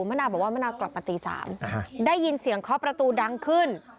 มะนาวบอกว่ามะนาวกลับมาตี๓ได้ยินเสียงเคาะประตูดังขึ้น